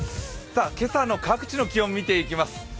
今朝の各地の気温、見ていきます。